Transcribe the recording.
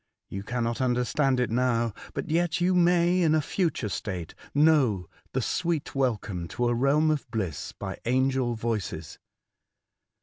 You cannot understand it now ; but yet you may in a future state know the sweet welcome to a realm of bliss by angel voices.